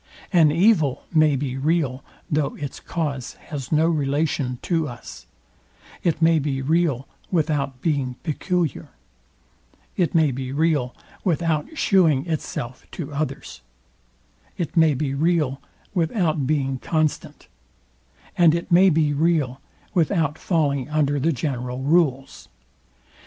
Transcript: An evil may be real. though its cause has no relation to us: It may be real, without being peculiar: It may be real, without shewing itself to others: It may be real, without being constant: And it may be real, without falling under the general rules.